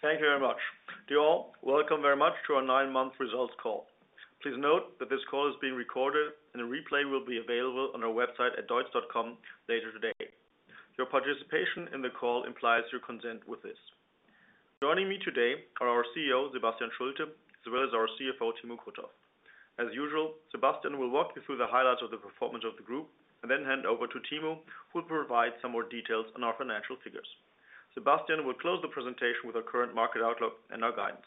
Thank you very much. To you all, welcome very much to Our Nine-Month Results Call. Please note that this call is being recorded, and a replay will be available on our website at deutz.com later today. Your participation in the call implies your consent with this. Joining me today are our CEO, Sebastian Schulte, as well as our CFO, Timo Krutoff. As usual, Sebastian will walk you through the highlights of the performance of the group, and then hand over to Timo, who will provide some more details on our financial figures. Sebastian will close the presentation with our current market outlook and our guidance.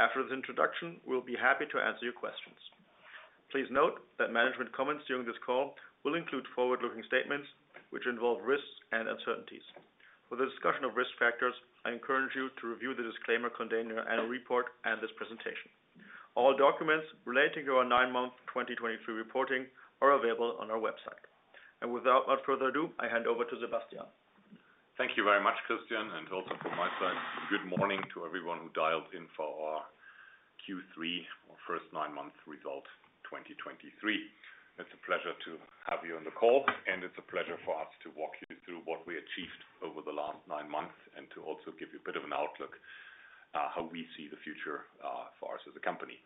After this introduction, we'll be happy to answer your questions. Please note that management comments during this call will include forward-looking statements, which involve risks and uncertainties. For the discussion of risk factors, I encourage you to review the disclaimer contained in our annual report and this presentation. All documents relating to Our Nine-Month 2023 reporting are available on our website. Without much further ado, I hand over to Sebastian. Thank you very much, Christian, and also from my side, good morning to everyone who dialed in for our Q3, Our First Nine-Month Result, 2023. It's a pleasure to have you on the call, and it's a pleasure for us to walk you through what we achieved over the last nine months, and to also give you a bit of an outlook, how we see the future, for us as a company.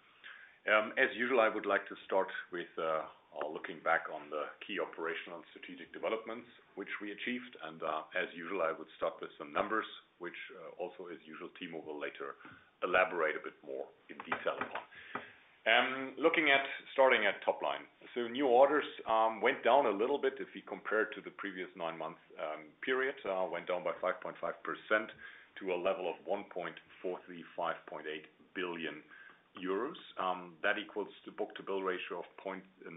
As usual, I would like to start with looking back on the key operational and strategic developments, which we achieved. And, as usual, I would start with some numbers, which, also, as usual, Timo will later elaborate a bit more in detail upon. Looking at starting at top line. So new orders went down a little bit if we compare it to the previous nine-month period. It went down by 5.5% to a level of 1.4358 billion euros. That equals the book-to-bill ratio of 0.93.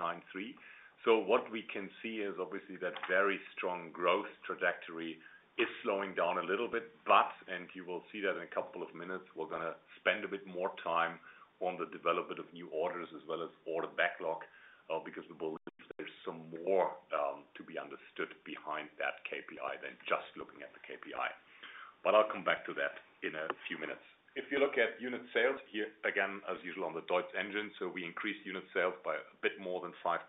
So what we can see is obviously that very strong growth trajectory is slowing down a little bit, but, and you will see that in a couple of minutes, we're gonna spend a bit more time on the development of new orders as well as order backlog, because we believe there's some more to be understood behind that KPI than just looking at the KPI. But I'll come back to that in a few minutes. If you look at unit sales, here, again, as usual on the DEUTZ engine, so we increased unit sales by a bit more than 5%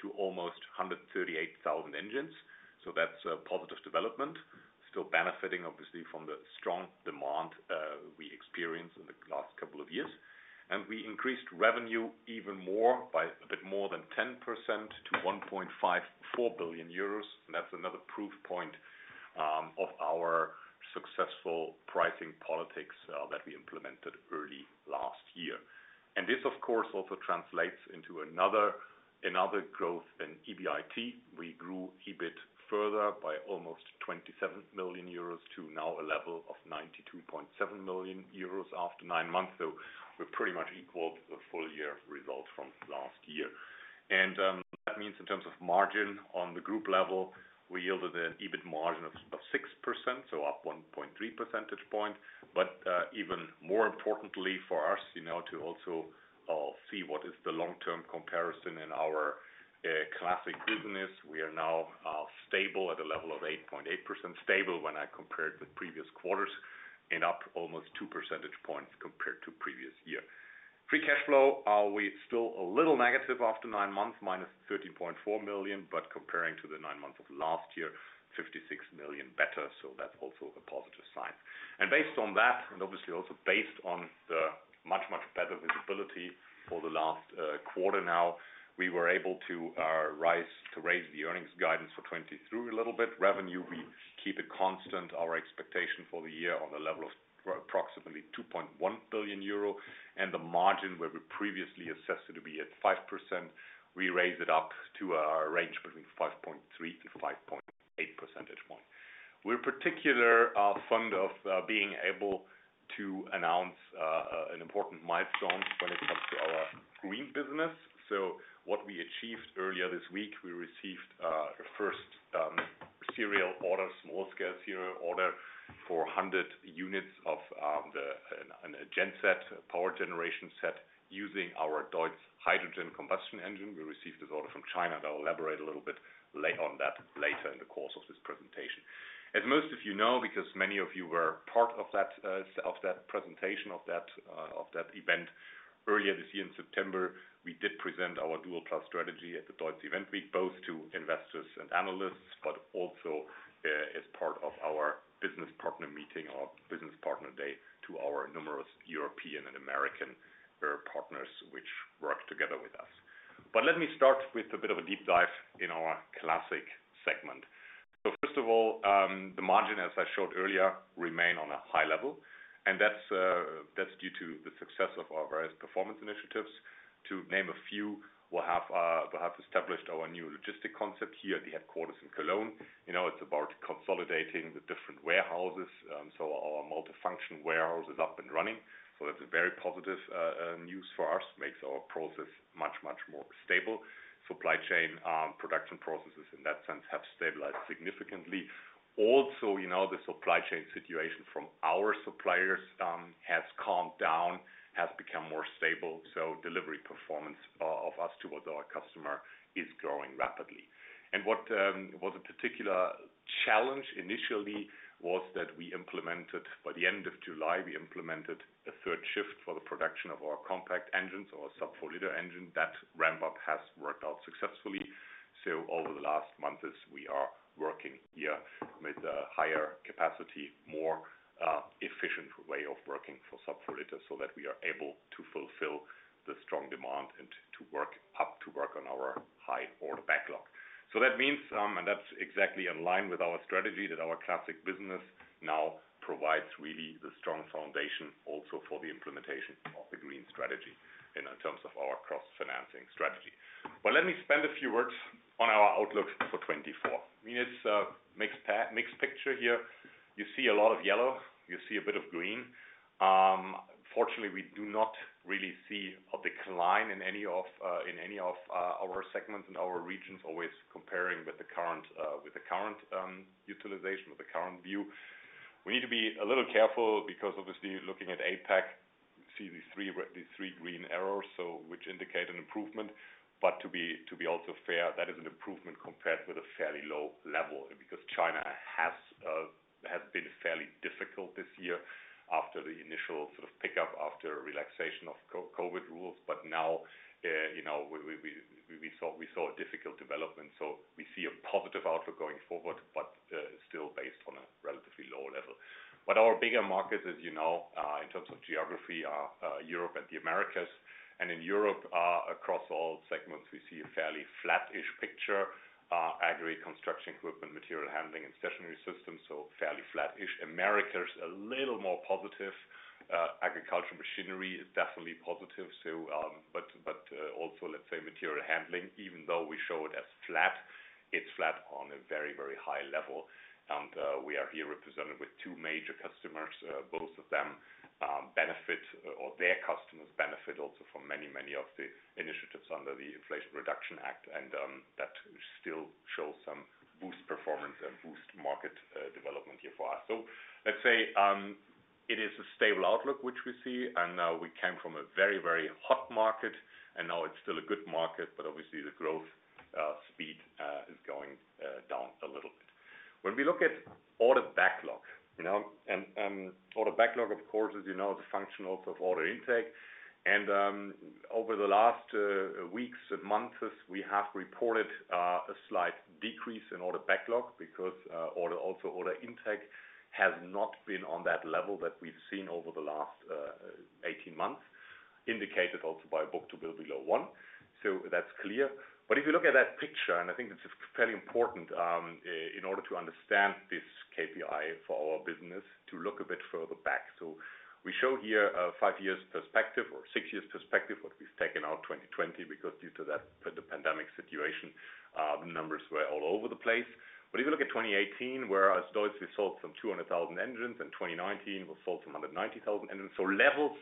to almost 138,000 engines. So that's a positive development. Still benefiting, obviously, from the strong demand, we experienced in the last couple of years. We increased revenue even more by a bit more than 10% to 1.54 billion euros, and that's another proof point, of our successful pricing policy, that we implemented early last year. This, of course, also translates into another growth in EBIT. We grew EBIT further by almost 27 million euros, to now a level of 92.7 million euros after 9 months. We pretty much equaled the full year results from last year. That means in terms of margin on the group level, we yielded an EBIT margin of 6%, so up 1.3 percentage points. But, even more importantly for us, you know, to also see what is the long-term comparison in our classic business, we are now stable at a level of 8.8%. Stable when I compared with previous quarters, and up almost two percentage points compared to previous year. Free cash flow, we're still a little negative after nine months, minus 13.4 million, but comparing to the nine months of last year, 56 million better, so that's also a positive sign. And based on that, and obviously also based on the much, much better visibility for the last quarter now, we were able to rise, to raise the earnings guidance for 2023 a little bit. Revenue, we keep it constant. Our expectation for the year on the level of approximately 2.1 billion euro, and the margin where we previously assessed it to be at 5%, we raised it up to a range between 5.3 to 5.8 percentage points. We're particularly fond of being able to announce an important milestone when it comes to our green business. So what we achieved earlier this week, we received the first small-scale serial order for 100 units of a genset, power generation set using our DEUTZ hydrogen combustion engine. We received this order from China, and I'll elaborate a little bit later on that, later in the course of this presentation. As most of you know, because many of you were part of that presentation, of that event, earlier this year in September, we did present our Dual+ strategy at the DEUTZ Event Week, both to investors and analysts, but also, as part of our business partner meeting or business partner day to our numerous European and American partners, which work together with us. But let me start with a bit of a deep dive in our classic segment. So first of all, the margin, as I showed earlier, remain on a high level, and that's due to the success of our various performance initiatives. To name a few, we have established our new logistic concept here at the headquarters in Cologne. You know, it's about consolidating the different warehouses, so our multifunction warehouse is up and running. So that's a very positive news for us, makes our process much, much more stable. Supply chain, production processes in that sense, have stabilized significantly. Also, you know, the supply chain situation from our suppliers, has calmed down, has become more stable, so delivery performance, of us towards our customer is growing rapidly. And what, was a particular challenge initially, was that we implemented, by the end of July, we implemented a third shift for the production of our compact engines, our sub-four liter engine. That ramp-up has worked out successfully. So over the last months, as we are-... Working here with a higher capacity, more efficient way of working for sub-four liter, so that we are able to fulfill the strong demand and to work up, to work on our high order backlog. So that means, and that's exactly in line with our strategy, that our classic business now provides really the strong foundation also for the implementation of the green strategy in terms of our cross-financing strategy. But let me spend a few words on our outlook for 2024. I mean, it's a mixed picture here. You see a lot of yellow, you see a bit of green. Fortunately, we do not really see a decline in any of our segments, in our regions, always comparing with the current utilization, with the current view. We need to be a little careful because obviously, looking at APAC, you see these three green arrows, so which indicate an improvement. But to be also fair, that is an improvement compared with a fairly low level, because China has been fairly difficult this year after the initial sort of pickup after relaxation of COVID rules. But now, you know, we saw a difficult development. So we see a positive outlook going forward, but still based on a relatively low level. But our bigger markets, as you know, in terms of geography, are Europe and the Americas. And in Europe, across all segments, we see a fairly flattish picture, agri, construction, equipment, material handling and stationary systems. So fairly flattish. America is a little more positive. Agricultural machinery is definitely positive, so, but, also, let's say, material handling, even though we show it as flat, it's flat on a very, very high level. And, we are here represented with two major customers. Both of them, benefit, or their customers benefit also from many, many of the initiatives under the Inflation Reduction Act, and, that still shows some boost performance and boost market, development here for us. So let's say, it is a stable outlook, which we see. And, we came from a very, very hot market, and now it's still a good market, but obviously, the growth, speed, is going, down a little bit. When we look at order backlog, you know, and, order backlog, of course, as you know, is a function also of order intake. Over the last weeks and months, we have reported a slight decrease in order backlog because order intake also has not been on that level that we've seen over the last 18 months, indicated also by book-to-bill below one. So that's clear. But if you look at that picture, and I think it's fairly important, in order to understand this KPI for our business, to look a bit further back. So we show here a 5 years perspective or 6 years perspective, but we've taken out 2020 because due to that, the pandemic situation, the numbers were all over the place. But if you look at 2018, where, as DEUTZ, we sold some 200,000 engines, in 2019, we sold some 190,000 engines. So levels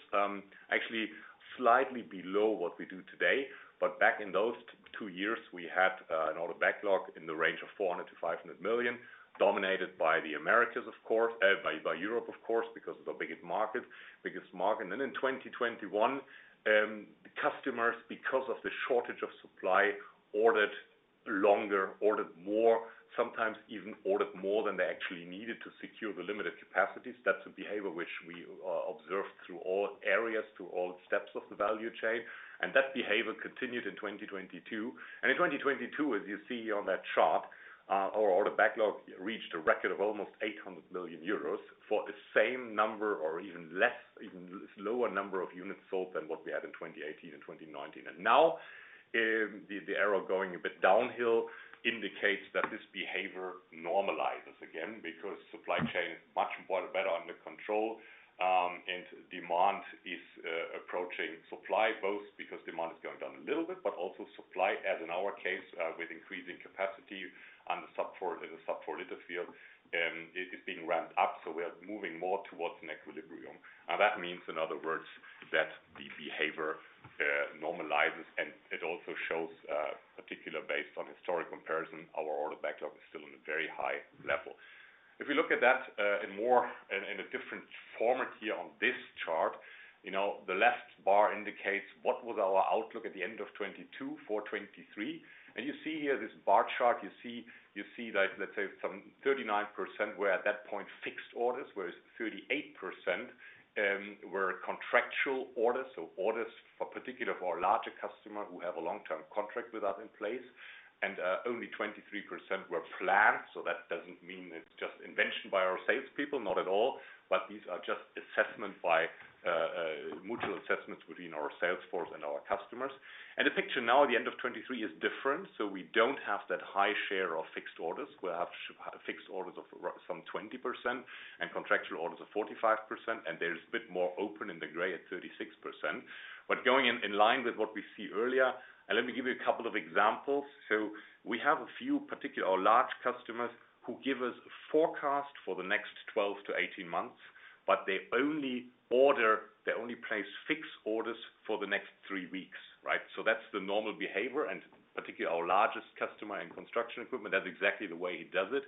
actually slightly below what we do today. But back in those two years, we had an order backlog in the range of 400 million-500 million, dominated by the Americas, of course, by Europe, of course, because it's our biggest market, biggest market. And then in 2021, customers, because of the shortage of supply, ordered longer, ordered more, sometimes even ordered more than they actually needed to secure the limited capacities. That's a behavior which we observed through all areas, through all steps of the value chain. And that behavior continued in 2022. And in 2022, as you see on that chart, our order backlog reached a record of almost 800 million euros for the same number or even less, even lower number of units sold than what we had in 2018 and 2019. Now, the arrow going a bit downhill indicates that this behavior normalizes again, because supply chain is much more better under control, and demand is approaching supply, both because demand is going down a little bit, but also supply, as in our case, with increasing capacity on the sub-four, in the sub-four liter field, it is being ramped up, so we are moving more towards an equilibrium. That means, in other words, that the behavior normalizes, and it also shows, particular based on historic comparison, our order backlog is still in a very high level. If we look at that in a different format here on this chart, you know, the left bar indicates what was our outlook at the end of 2022 for 2023. You see here, this bar chart, you see, you see that, let's say some 39% were at that point, fixed orders, whereas 38% were contractual orders. So orders for particular, for our larger customer who have a long-term contract with us in place, and only 23% were planned. So that doesn't mean it's just invention by our salespeople, not at all, but these are just assessment by mutual assessments between our salesforce and our customers. And the picture now at the end of 2023 is different, so we don't have that high share of fixed orders. We have fixed orders of some 20% and contractual orders of 45%, and there's a bit more open in the gray at 36%. Going in line with what we see earlier, let me give you a couple of examples. We have a few particular, our large customers who give us forecast for the next 12-18 months, but they only order, they only place fixed orders for the next 3 weeks, right? That's the normal behavior, and particularly our largest customer in construction equipment, that's exactly the way he does it...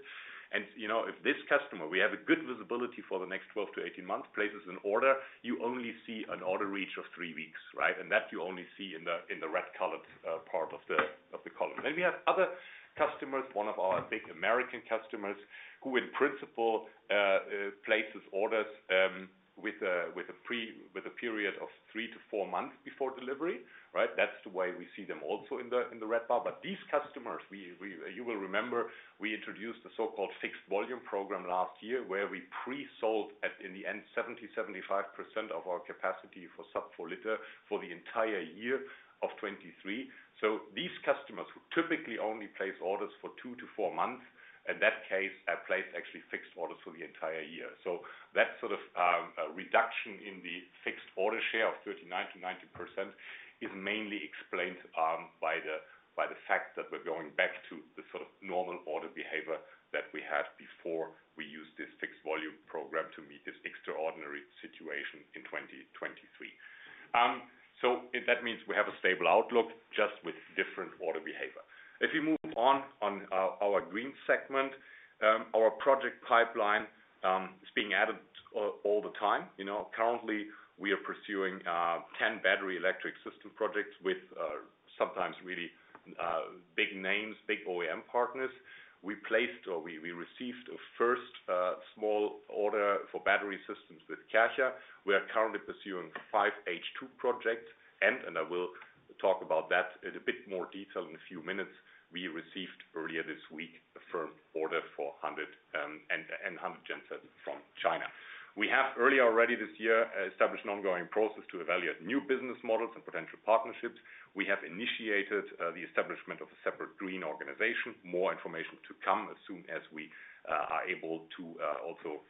You know, if this customer, we have a good visibility for the next 12-18 months, places an order, you only see an order reach of 3 weeks, right? And that you only see in the red-colored part of the column. Then we have other customers, one of our big American customers, who in principle places orders with a period of 3-4 months before delivery, right? That's the way we see them also in the red bar. But these customers. You will remember, we introduced the so-called fixed volume program last year, where we pre-sold, in the end, 70-75% of our capacity for sub-4-liter for the entire year of 2023. So these customers who typically only place orders for 2-4 months, in that case, have placed actually fixed orders for the entire year. So that sort of reduction in the fixed order share of 39%-90% is mainly explained by the fact that we're going back to the sort of normal order behavior that we had before we used this fixed volume program to meet this extraordinary situation in 2023. So that means we have a stable outlook, just with different order behavior. If you move on to our green segment, our project pipeline is being added all the time. You know, currently, we are pursuing 10 battery electric system projects with sometimes really big names, big OEM partners. We placed or we, we received a first small order for battery systems with Cassia. We are currently pursuing 5 H2 projects, and I will talk about that in a bit more detail in a few minutes. We received earlier this week a firm order for 100 gensets from China. We have earlier already this year established an ongoing process to evaluate new business models and potential partnerships. We have initiated the establishment of a separate green organization. More information to come as soon as we are able to also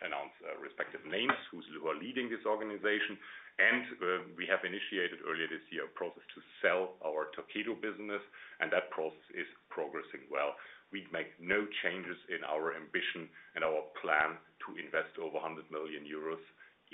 announce respective names who are leading this organization. We have initiated earlier this year a process to sell our Torqeedo business, and that process is progressing well. We'd make no changes in our ambition and our plan to invest over 100 million euros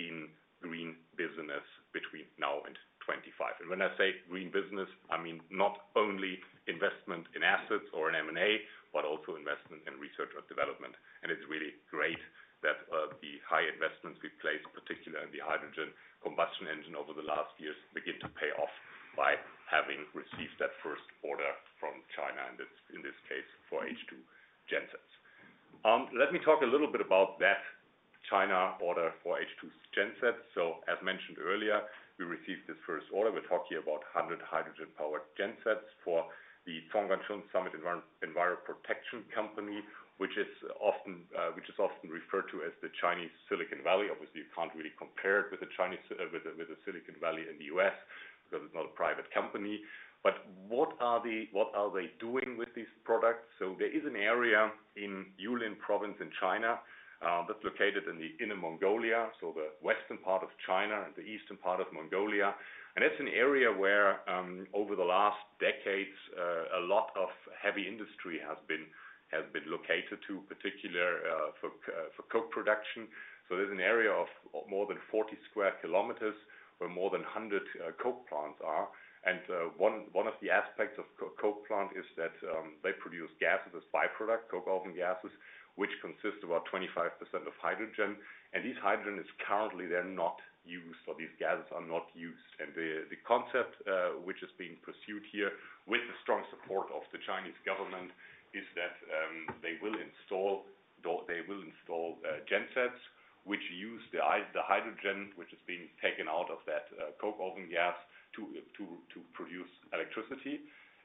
in green business between now and 2025. When I say green business, I mean, not only investment in assets or in M&A, but also investment in research or development. It's really great that the high investments we've placed, particularly in the hydrogen combustion engine over the last years, begin to pay off by having received that first order from China, and it's in this case, for H2 Gensets. Let me talk a little bit about that China order for H2 Gensets. So, as mentioned earlier, we received this first order. We're talking about 100 hydrogen-powered gensets for the Zhongguancun Summit Environmental Protection Company, which is often referred to as the Chinese Silicon Valley. Obviously, you can't really compare it with the Silicon Valley in the US, because it's not a private company. But what are they doing with these products? So there is an area in Yulin Province in China that's located in Inner Mongolia, so the western part of China and the eastern part of Mongolia. And that's an area where over the last decades a lot of heavy industry has been located to, particularly for coke production. So there's an area of more than 40 square kilometers, where more than 100 coke plants are. And one of the aspects of coke plant is that they produce gas as a byproduct, coke oven gases, which consists about 25% of hydrogen. And this hydrogen is currently they're not used, or these gases are not used. And the concept which is being pursued here, with the strong support of the Chinese government, is that they will install gensets, which use the hydrogen, which is being taken out of that coke oven gas, to produce electricity.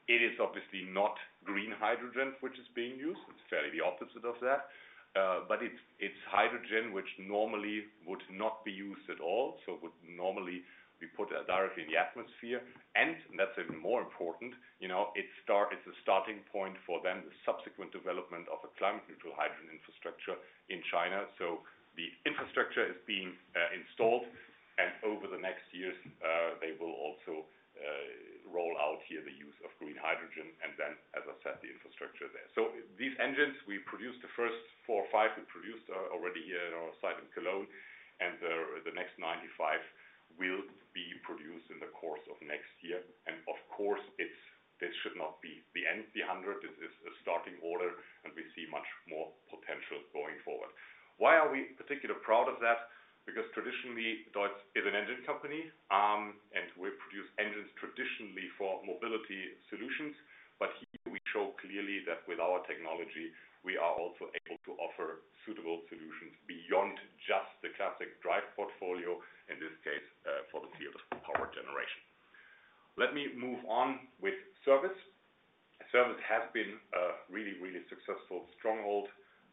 It is obviously not green hydrogen which is being used. It's fairly the opposite of that, but it's hydrogen, which normally would not be used at all, so would normally be put directly in the atmosphere. And that's even more important, you know, it's a starting point for then the subsequent development of a climate-neutral hydrogen infrastructure in China. So the infrastructure is being installed, and over the next years, they will also roll out here the use of green hydrogen, and then, as I said, the infrastructure there. So these engines, we produced the first 4 or 5, we produced already here in our site in Cologne, and the next 95 will be produced in the course of next year. And of course, it's, this should not be the end, the 100, this is a starting order, and we see much more potential going forward. Why are we particularly proud of that? Because traditionally, DEUTZ is an engine company, and we produce engines traditionally for mobility solutions. But here we show clearly that with our technology, we are also able to offer suitable solutions beyond just the classic drive portfolio, in this case, for the field of power generation. Let me move on with service. Service has been a really, really successful stronghold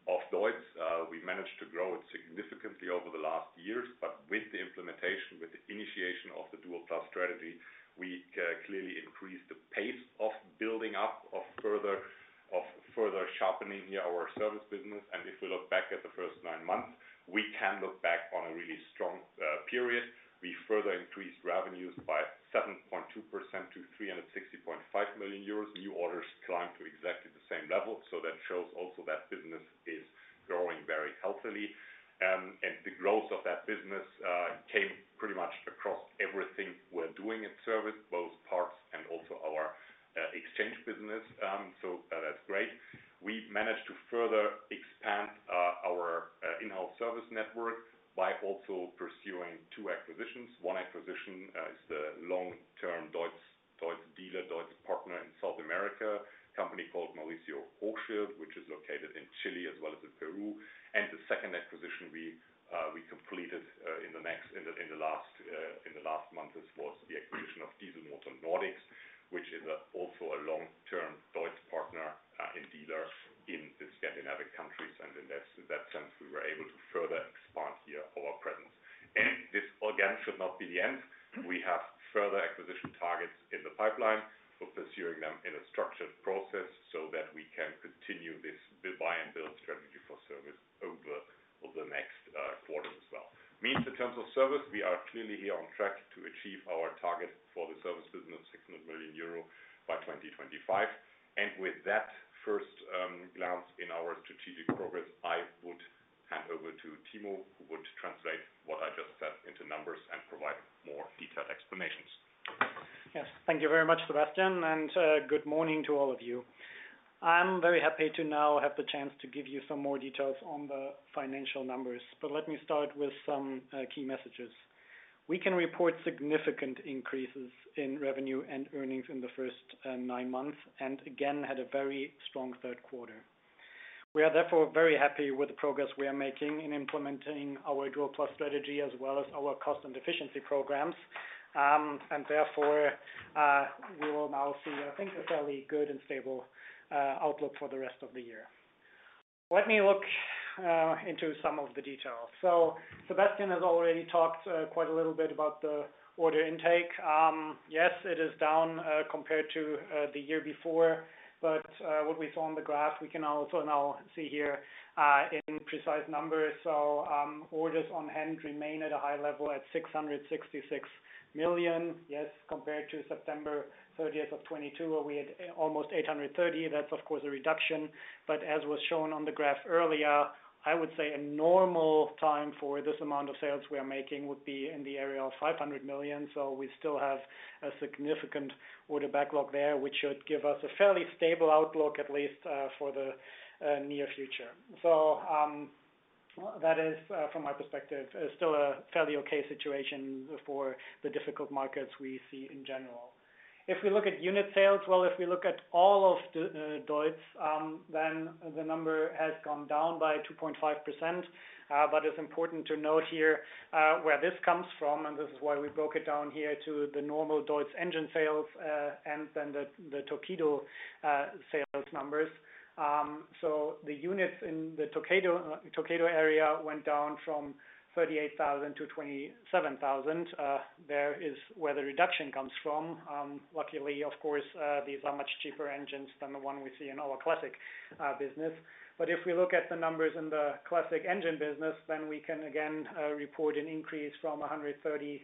of DEUTZ. We managed to grow it significantly over the last years, but with the implementation, with the initiation of the Dual+ strategy, we clearly increased the pace of building up, of further sharpening our service business. And if we look back at the first nine months, hand over to Timo, who would translate what I just said into numbers and provide more detailed explanations. Yes. Thank you very much, Sebastian, and good morning to all of you. I'm very happy to now have the chance to give you some more details on the financial numbers, but let me start with some key messages. We can report significant increases in revenue and earnings in the first nine months, and again, had a very strong third quarter. We are therefore very happy with the progress we are making in implementing our Dual+ strategy, as well as our cost and efficiency programs. And therefore, we will now see, I think, a fairly good and stable outlook for the rest of the year. Let me look into some of the details. So Sebastian has already talked quite a little bit about the order intake. Yes, it is down compared to the year before, but what we saw on the graph, we can also now see here in precise numbers. So, orders on hand remain at a high level at 666 million. Yes, compared to September 30, 2022, where we had almost 830 million. That's of course a reduction, but as was shown on the graph earlier, I would say a normal time for this amount of sales we are making would be in the area of 500 million. So we still have a significant order backlog there, which should give us a fairly stable outlook, at least for the near future. So, that is from my perspective is still a fairly okay situation for the difficult markets we see in general. If we look at unit sales, well, if we look at all of the DEUTZ, then the number has gone down by 2.5%. But it's important to note here where this comes from, and this is why we broke it down here to the normal DEUTZ engine sales, and then the Torqeedo sales numbers. So the units in the Torqeedo area went down from 38,000 to 27,000. There is where the reduction comes from. Luckily, of course, these are much cheaper engines than the one we see in our classic business. But if we look at the numbers in the classic engine business, then we can again report an increase from 130,800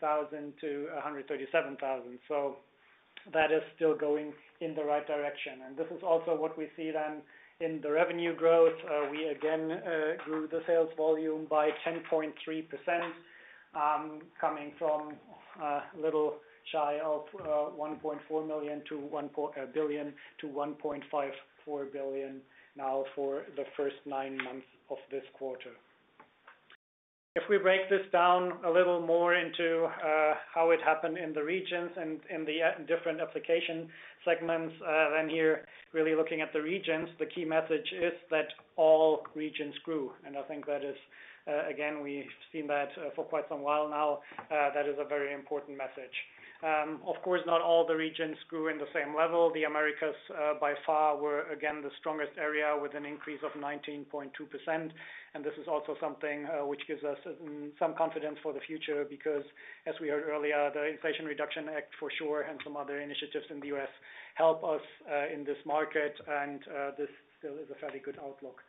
to 137,000. So that is still going in the right direction. And this is also what we see then in the revenue growth. We again grew the sales volume by 10.3%, coming from little shy of 1.4 billion to 1.54 billion now for the first nine months of this quarter. If we break this down a little more into how it happened in the regions and in the different application segments, then here, really looking at the regions, the key message is that all regions grew. And I think that is again, we've seen that for quite some while now. That is a very important message. Of course, not all the regions grew in the same level. The Americas, by far, were again the strongest area with an increase of 19.2%. And this is also something which gives us some confidence for the future, because as we heard earlier, the Inflation Reduction Act, for sure, and some other initiatives in the U.S. help us in this market, and this still is a fairly good outlook.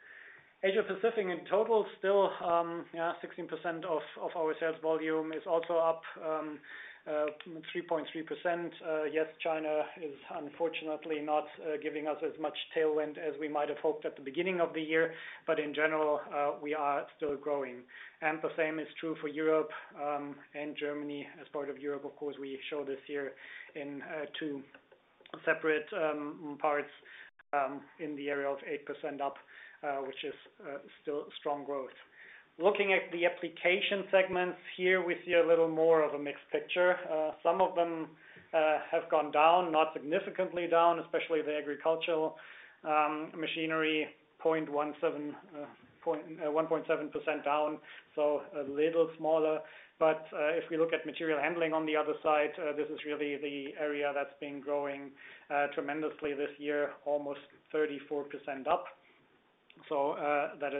Asia Pacific in total, still, yeah, 16% of our sales volume is also up 3.3%. Yes, China is unfortunately not giving us as much tailwind as we might have hoped at the beginning of the year, but in general, we are still growing. The same is true for Europe, and Germany as part of Europe, of course. We show this year in two separate parts in the area of 8% up, which is still strong growth. Looking at the application segments, here we see a little more of a mixed picture. Some of them have gone down, not significantly down, especially the agricultural machinery, 1.7% down, so a little smaller. But, if we look at material handling on the other side, this is really the area that's been growing tremendously this year, almost 34% up. So, that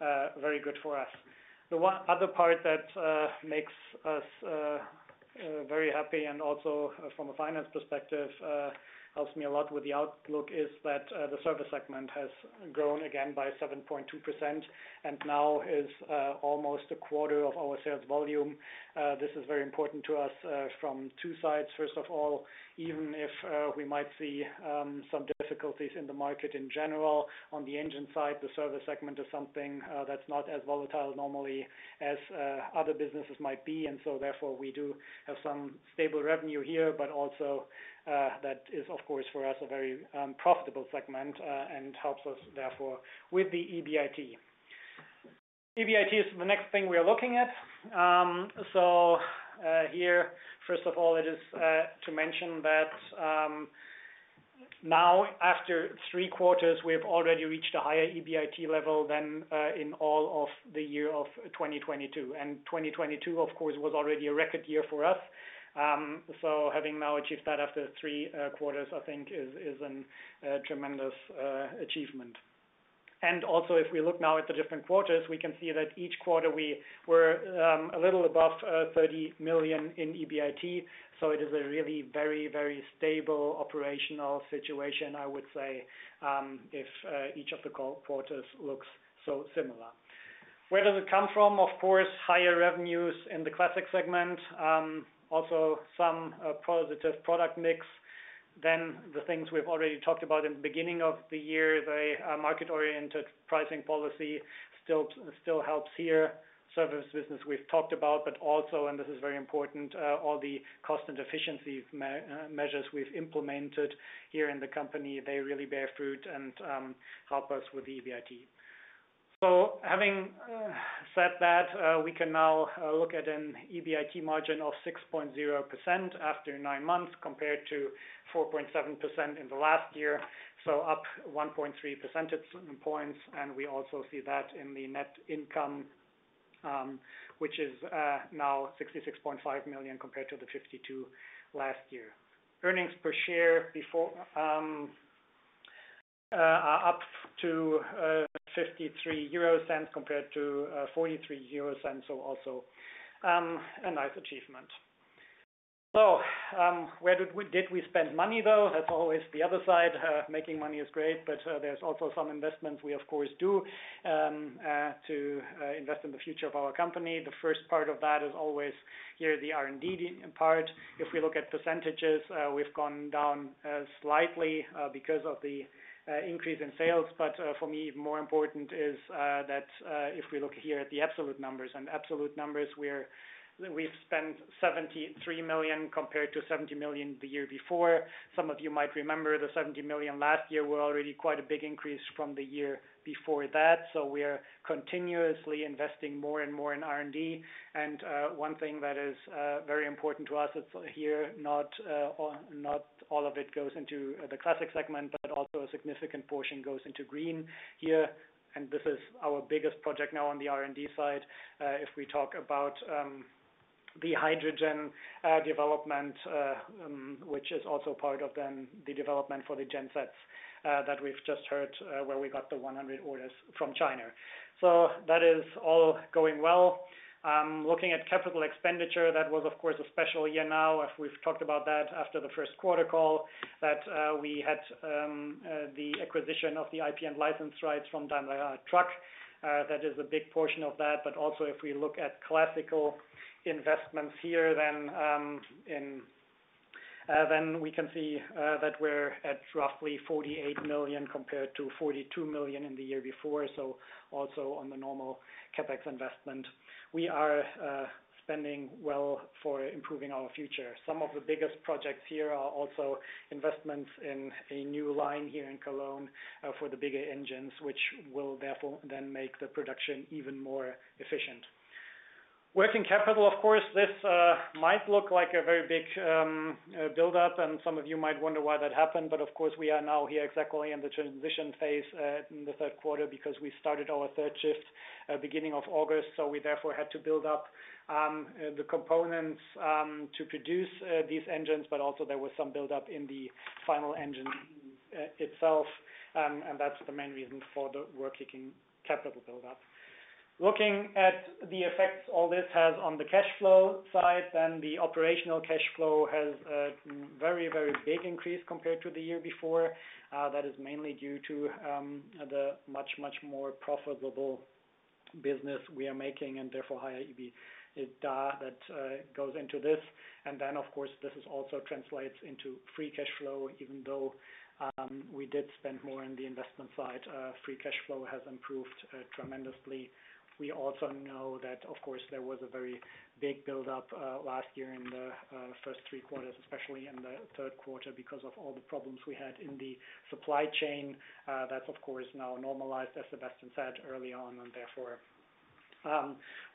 is very good for us. The one other part that makes us very happy and also from a finance perspective helps me a lot with the outlook is that the service segment has grown again by 7.2% and now is almost a quarter of our sales volume. This is very important to us from two sides. First of all, even if we might see some difficulties in the market in general, on the engine side, the service segment is something that's not as volatile normally as other businesses might be, and so therefore, we do have some stable revenue here, but also that is, of course, for us, a very profitable segment and helps us therefore with the EBIT. EBIT is the next thing we are looking at. So, here, first of all, it is to mention that, now, after three quarters, we have already reached a higher EBIT level than in all of the year of 2022. And 2022, of course, was already a record year for us. So having now achieved that after three quarters, I think is a tremendous achievement. And also, if we look now at the different quarters, we can see that each quarter we were a little above 30 million in EBIT, so it is a really very, very stable operational situation, I would say, if each of the quarters looks so similar. Where does it come from? Of course, higher revenues in the classic segment. Also some positive product mix. Then the things we've already talked about in the beginning of the year, the market-oriented pricing policy still helps here. Service business, we've talked about, but also, and this is very important, all the cost and efficiency measures we've implemented here in the company, they really bear fruit and help us with the EBIT. So having said that, we can now look at an EBIT margin of 6.0% after nine months, compared to 4.7% in the last year, so up 1.3 percentage points, and we also see that in the net income, which is now 66.5 million compared to 52 million last year. Earnings per share before are up to 0.53 euros compared to 0.43 euros, so also a nice achievement. So, where did we spend money, though? That's always the other side. Making money is great, but there's also some investments we, of course, do to invest in the future of our company. The first part of that is always here, the R&D part. If we look at percentages, we've gone down slightly because of the increase in sales. But for me, more important is that if we look here at the absolute numbers, we've spent 73 million compared to 70 million the year before. Some of you might remember, the 70 million last year were already quite a big increase from the year before that, so we are continuously investing more and more in R&D. One thing that is very important to us, it's here, not all, not all of it goes into the classic segment, but also a significant portion goes into green here, and this is our biggest project now on the R&D side. If we talk about the hydrogen development, which is also part of then the development for the gensets that we've just heard, where we got the 100 orders from China. So that is all going well. Looking at capital expenditure, that was, of course, a special year now. If we've talked about that after the first quarter call, that we had the acquisition of the IP and License Rights from Daimler Truck. That is a big portion of that, but also, if we look at classical investments here, then we can see that we're at roughly 48 million compared to 42 million in the year before. So also on the normal CapEx investment. We are spending well for improving our future. Some of the biggest projects here are also investments in a new line here in Cologne for the bigger engines, which will therefore then make the production even more efficient. Working capital, of course, this might look like a very big buildup, and some of you might wonder why that happened. But of course, we are now here exactly in the transition phase, in the third quarter, because we started our third shift, beginning of August, so we therefore had to build up the components to produce these engines, but also there was some buildup in the final engine itself. That's the main reason for the working capital buildup. Looking at the effects all this has on the cash flow side, then the operational cash flow has a very, very big increase compared to the year before. That is mainly due to the much, much more profitable business we are making, and therefore, higher EBITDA that goes into this. And then, of course, this is also translates into free cash flow. Even though, we did spend more on the investment side, free cash flow has improved tremendously. We also know that, of course, there was a very big buildup last year in the first three quarters, especially in the third quarter, because of all the problems we had in the supply chain. That's of course now normalized, as Sebastian said early on, and therefore,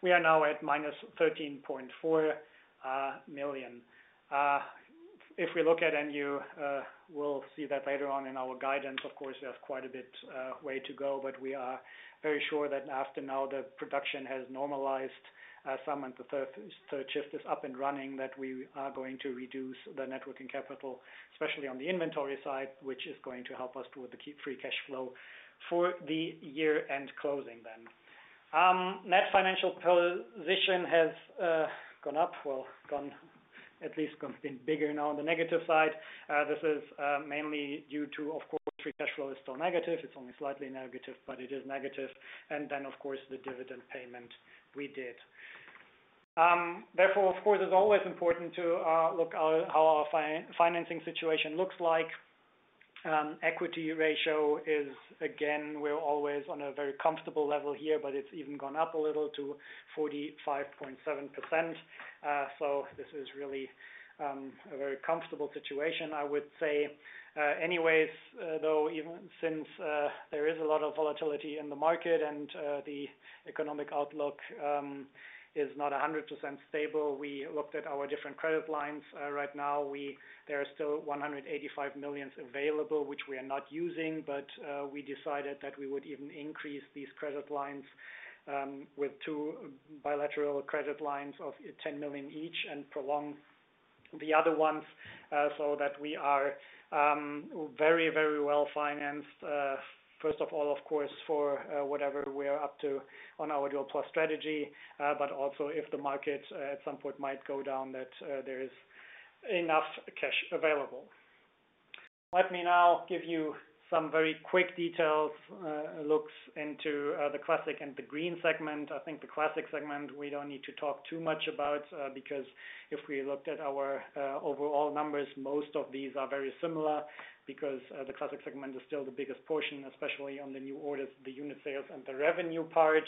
we are now at -13.4 million. If we look at and you, uh, will see that later on in our guidance. Of course, we have quite a bit way to go, but we are very sure that after now the production has normalized some and the third shift is up and running, that we are going to reduce the net working capital, especially on the inventory side, which is going to help us with the keep free cash flow for the year-end closing then. Net financial position has at least been bigger now on the negative side. This is mainly due to, of course, free cash flow is still negative. It's only slightly negative, but it is negative, and then, of course, the dividend payment we did. Therefore, of course, it's always important to look how our financing situation looks like. Equity ratio is, again, we're always on a very comfortable level here, but it's even gone up a little to 45.7%. So this is really a very comfortable situation, I would say. Anyways, though, even since there is a lot of volatility in the market and the economic outlook is not 100% stable, we looked at our different credit lines. Right now, there are still 185 million available, which we are not using, but we decided that we would even increase these credit lines with two bilateral credit lines of 10 million each and prolong the other ones, so that we are very, very well financed. First of all, of course, for whatever we are up to on our Dual+ Strategy, but also if the market at some point might go down, that there is enough cash available. Let me now give you some very quick details, looks into the classic and the green segment. I think the classic segment, we don't need to talk too much about, because if we looked at our overall numbers, most of these are very similar because the classic segment is still the biggest portion, especially on the new orders, the unit sales, and the revenue part.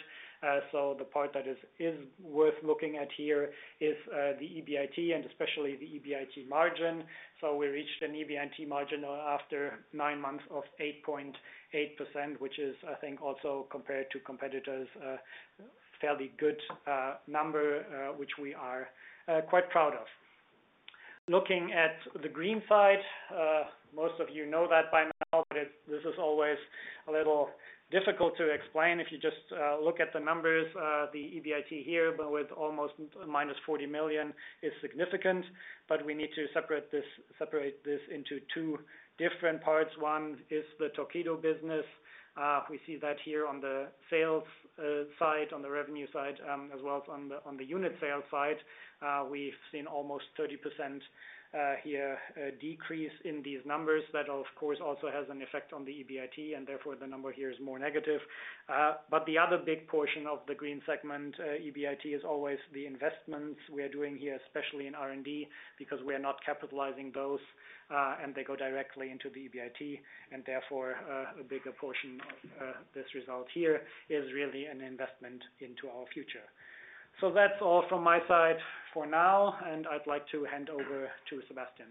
So the part that is worth looking at here is the EBIT and especially the EBIT margin. So we reached an EBIT margin after 9 months of 8.8%, which is, I think, also, compared to competitors, fairly good, number, which we are, quite proud of. Looking at the green side, most of you know that by now, but this is always a little difficult to explain. If you just, look at the numbers, the EBIT here, but with almost -40 million, is significant. But we need to separate this, separate this into two different parts. One is the Torqeedo business. We see that here on the sales, side, on the revenue side, as well as on the, on the unit sales side. We've seen almost 30%, here, a decrease in these numbers. That, of course, also has an effect on the EBIT, and therefore, the number here is more negative. But the other big portion of the green segment, EBIT, is always the investments we are doing here, especially in R&D, because we are not capitalizing those, and they go directly into the EBIT, and therefore, a bigger portion of this result here is really an investment into our future. So that's all from my side for now, and I'd like to hand over to Sebastian.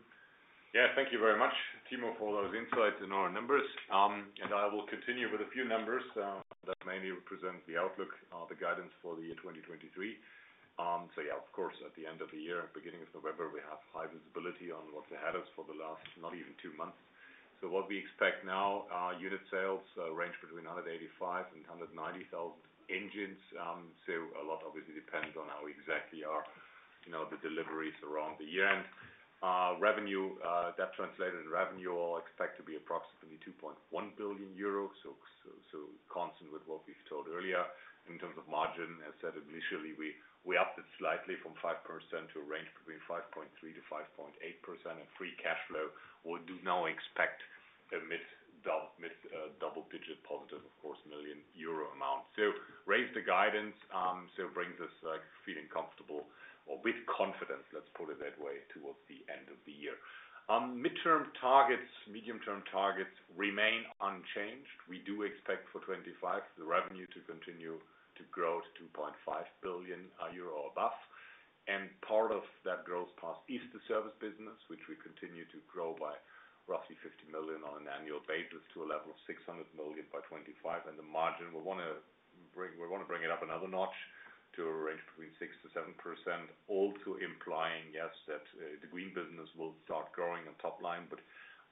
Yeah, thank you very much, Timo, for those insights in our numbers. And I will continue with a few numbers that mainly represent the outlook, the guidance for the year 2023. So yeah, of course, at the end of the year, beginning of November, we have high visibility on what ahead of us for the last, not even two months. So what we expect now, our unit sales range between 185,000 and 190,000 engines. So a lot obviously depends on how exactly are, you know, the deliveries around the year-end. Revenue, that translated in revenue, expect to be approximately 2.1 billion euros, so, so constant with what we've told earlier. In terms of margin, as said, initially, we, we upped it slightly from 5% to a range between 5.3%-5.8%. And free cash flow, we do now expect a mid-double-digit positive, of course, million euro amount. So raise the guidance, so brings us, like, feeling comfortable or with confidence, let's put it that way, towards the end of the year. Midterm targets, medium-term targets remain unchanged. We do expect for 2025, the revenue to continue to grow to 2.5 billion or above, and part of that growth path is the service business, which we continue to grow by roughly 50 million on an annual basis, to a level of 600 million by 2025. And the margin, we wanna bring it up another notch to a range between 6%-7%. Also implying, yes, that the green business will start growing in top line, but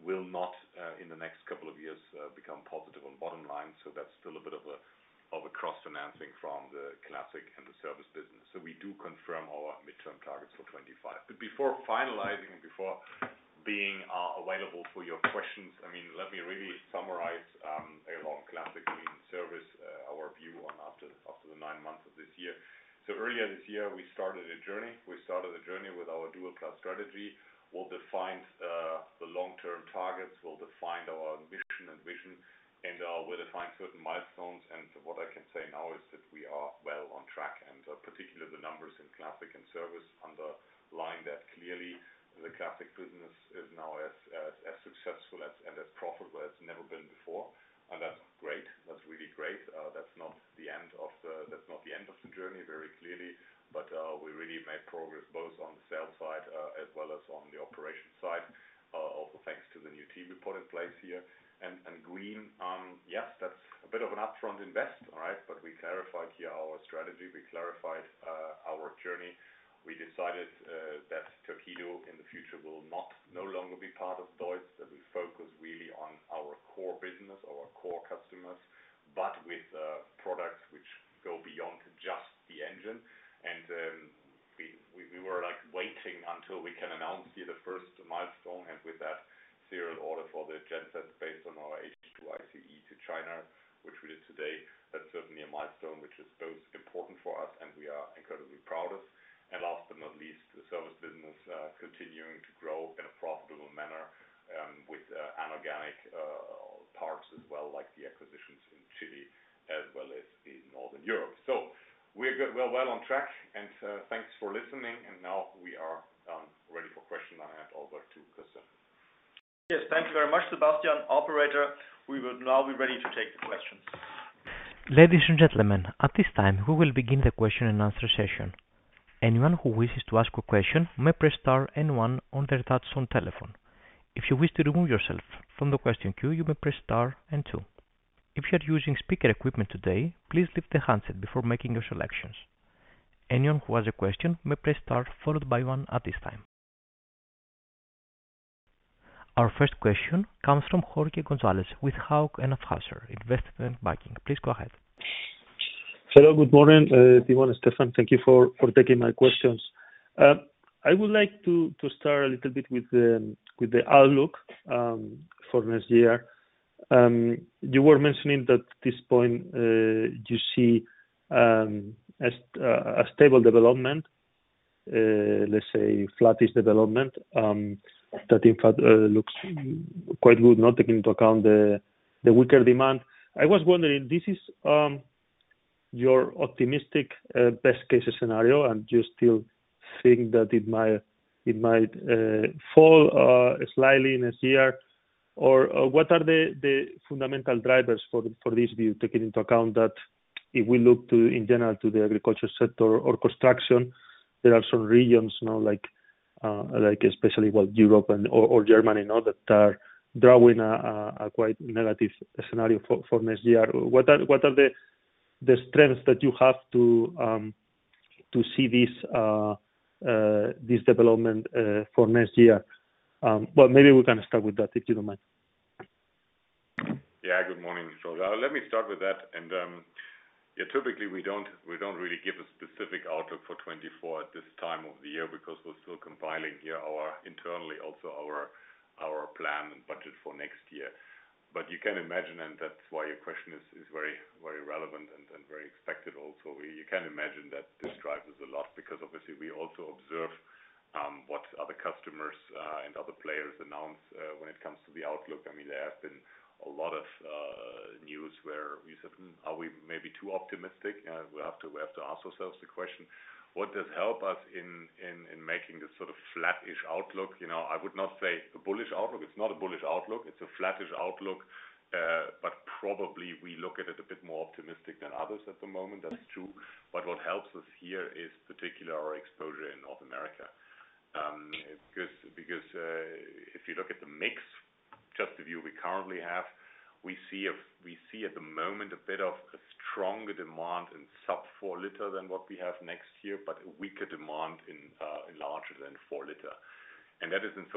will not in the next couple of years become positive on bottom line. So that's still a bit of a cross-financing from the classic and the service business. So we do confirm our midterm targets for 2025. But before finalizing and before being available for your questions, I mean, let me really summarize along classic green service our view on after the nine months of this year. So earlier this year, we started a journey. We started a journey with our Dual+ Strategy. We'll define the long-term targets, we'll define our mission and vision, and we'll define certain milestones. And what I can say now is that we are well on track, and particularly the numbers in classic and service underline that clearly the classic business is now as successful as, and as profitable as it's never been before. And that's great. That's really great. That's not the end of the journey, very clearly, but we really made progress both on the sales side, as well as on the operation side. Also, thanks to the new team we put in place here. And green, yes, that's a bit of an upfront investment, all right? But we clarified here our strategy, we clarified our journey. We decided that Torqeedo in the future will not no longer be part of DEUTZ, that we focus really on our core business, our core customers, but with products which go beyond just the engine. And we were, like, waiting until we can see the first milestone, and with that serial order for the genset based on our H2ICE to China, which we did today. That's certainly a milestone which is both important for us, and we are incredibly proud of. And last but not least, the service business continuing to grow in a profitable manner with inorganic parts as well, like the acquisitions in Chile as well as in Northern Europe. So we're good. We're well on track, and thanks for listening. And now we are ready for questions. I hand over to Christian. Yes, thank you very much, Sebastian. Operator, we would now be ready to take the questions. Ladies and gentlemen, at this time, we will begin the question and answer session. Anyone who wishes to ask a question may press star and one on their touchtone telephone. If you wish to remove yourself from the question queue, you may press star and two. If you are using speaker equipment today, please leave the handset before making your selections. Anyone who has a question may press star, followed by one at this time. Our first question comes from Jorge González with Hauck & Aufhäuser Investment Banking. Please go ahead. Hello, good morning, Stefan. Thank you for taking my questions. I would like to start a little bit with the outlook for next year. You were mentioning that at this point you see a stable development, let's say flattish development, that in fact looks quite good, not taking into account the weaker demand. I was wondering, this is your optimistic best case scenario, and you still think that it might fall slightly next year? Or, what are the fundamental drivers for this view, taking into account that if we look to, in general, to the agriculture sector or construction, there are some regions now, like, especially with Europe and/or Germany, now that are drawing a quite negative scenario for next year. What are the strengths that you have to see this development for next year? Well, maybe we can start with that, if you don't mind. Yeah. Good morning, Jorge. Let me start with that. And, yeah, typically, we don't, we don't really give a specific outlook for 2024 at this time of the year because we're still compiling here our internally, also our, our plan and budget for next year. But you can imagine, and that's why your question is, is very, very relevant and, and very expected also. You can imagine that this drives us a lot because obviously we also observe, what other customers, and other players announce, when it comes to the outlook. I mean, there have been a lot of, news where we said, "Hmm, are we maybe too optimistic?" We have to, we have to ask ourselves the question: What does help us in, in, in making this sort of flattish outlook? You know, I would not say a bullish outlook. It's not a bullish outlook, it's a flattish outlook, but probably we look at it a bit more optimistic than others at the moment. That is true. But what helps us here is particularly our exposure in North America. Because if you look at the mix, just the view we currently have, we see at the moment a bit of a stronger demand in sub-four liter than what we have next year, but a weaker demand in larger than four liter. And that is not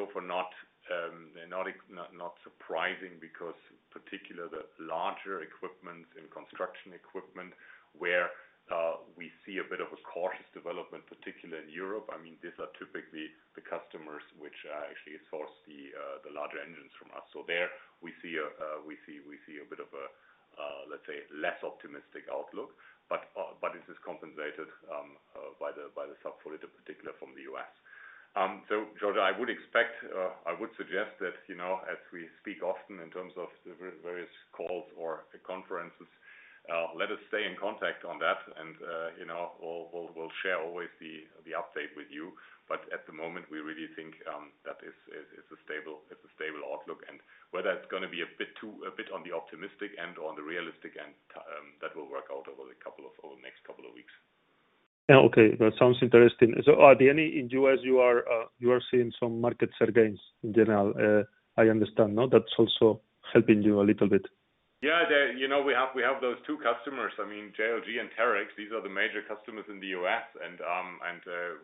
surprising, because particularly the larger equipment and construction equipment, where we see a bit of a cautious development, particularly in Europe. I mean, these are typically the customers which actually source the larger engines from us. So there we see a bit of a, let's say, less optimistic outlook, but this is compensated by the sub-four liter, particularly from the US. So, Jorge, I would expect... I would suggest that, you know, as we speak often in terms of the various calls or conferences, let us stay in contact on that and, you know, we'll share always the update with you. But at the moment, we really think that it is a stable outlook. And whether that's gonna be a bit too, a bit on the optimistic end or on the realistic end, that will work out over the next couple of weeks. Yeah. Okay, that sounds interesting. So are there any in U.S. you are seeing some market share gains in general, I understand, no? That's also helping you a little bit. Yeah, you know, we have those two customers, I mean, JLG and Terex, these are the major customers in the U.S. And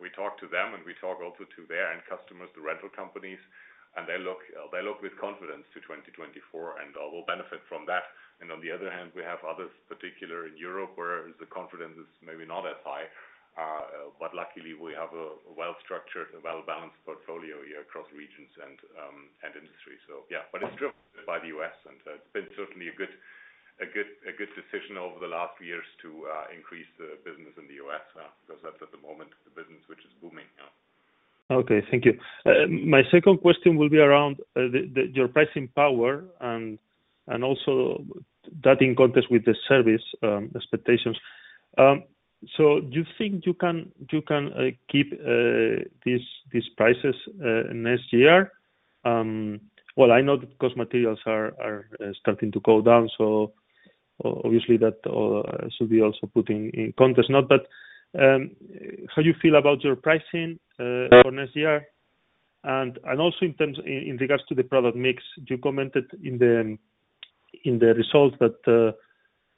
we talk to them, and we talk also to their end customers, the rental companies, and they look with confidence to 2024, and we'll benefit from that. And on the other hand, we have others, particularly in Europe, where the confidence is maybe not as high. But luckily we have a well-structured and well-balanced portfolio here across regions and industry. So yeah, but it's driven by the U.S., and it's been certainly a good decision over the last years to increase the business in the U.S., because that's at the moment, the business which is booming now. Okay, thank you. My second question will be around your pricing power and also that in context with the service expectations. So do you think you can keep these prices next year? Well, I know that cost materials are starting to go down, so obviously that should be also put in context. How you feel about your pricing for next year, and also in terms in regards to the product mix, you commented in the results that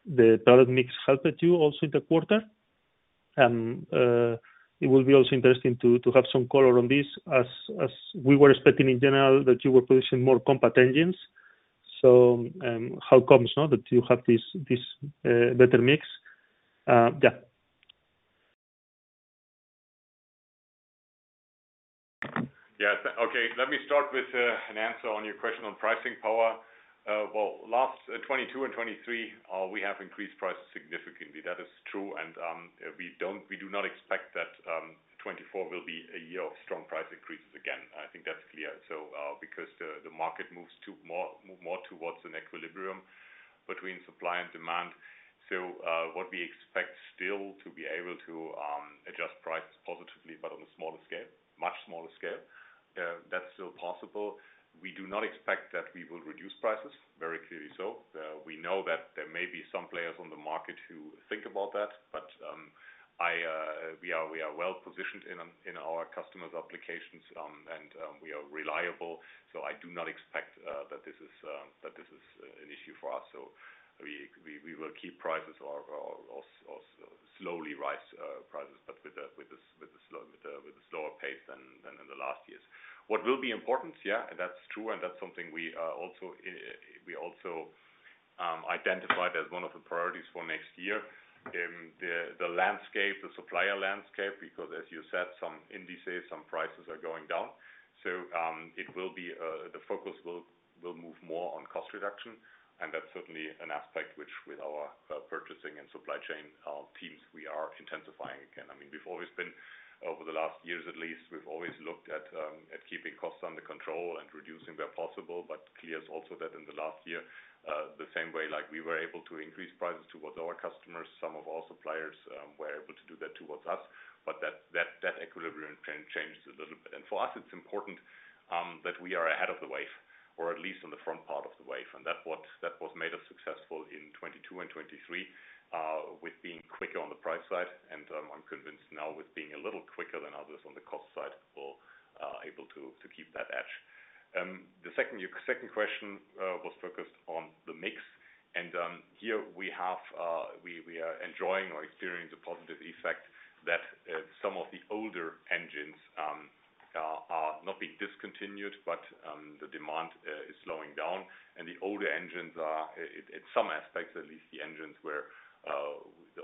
the product mix helped you also in the quarter. It will be also interesting to have some color on this as we were expecting in general that you were pushing more compact engines. So, how come now that you have this better mix? Yeah.... Yes. Okay, let me start with an answer on your question on pricing power. Well, last 2022 and 2023, we have increased prices significantly. That is true, and we don't-- we do not expect that 2024 will be a year of strong price increases again. I think that's clear. So, because the market moves to more towards an equilibrium between supply and demand. So, what we expect still to be able to adjust prices positively, but on a smaller scale, much smaller scale, that's still possible. We do not expect that we will reduce prices, very clearly so. We know that there may be some players on the market who think about that, but I, we are well positioned in our customers' applications, and we are reliable, so I do not expect that this is an issue for us. So we will keep prices or slowly rise prices, but with the slower pace than in the last years. What will be important? Yeah, that's true, and that's something we also identified as one of the priorities for next year. The landscape, the supplier landscape, because as you said, some indices, some prices are going down. So, it will be, the focus will move more on cost reduction, and that's certainly an aspect which with our, purchasing and supply chain, teams, we are intensifying again. I mean, we've always been over the last years at least, we've always looked at, at keeping costs under control and reducing where possible, but clear is also that in the last year, the same way, like we were able to increase prices towards our customers, some of our suppliers, were able to do that towards us, but that equilibrium can change a little bit. And for us, it's important, that we are ahead of the wave, or at least on the front part of the wave. That made us successful in 2022 and 2023 with being quicker on the price side, and I'm convinced now with being a little quicker than others on the cost side, we'll able to keep that edge. Your second question was focused on the mix, and here we have we are enjoying or experiencing a positive effect that some of the older engines are not being discontinued, but the demand is slowing down, and the older engines are at some aspects at least the engines where